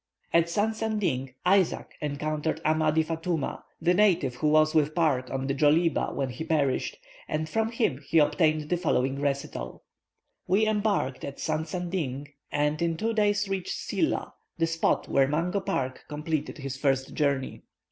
At Sansanding, Isaac encountered Amadi Fatouma, the native who was with Park on the Djoliba when he perished, and from him he obtained the following recital: "We embarked at Sansanding, and in two days reached Silla, the spot where Mungo Park completed his first journey.